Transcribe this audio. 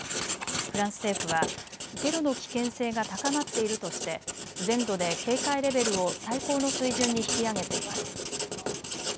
フランス政府はテロの危険性が高まっているとして全土で警戒レベルを最高の水準に引き上げています。